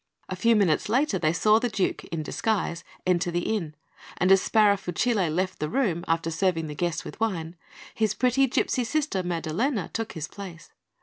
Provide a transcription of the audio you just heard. A few minutes later, they saw the Duke, in disguise, enter the inn; and as Sparafucile left the room, after serving the guest with wine, his pretty gipsy sister, Maddalena, took his place.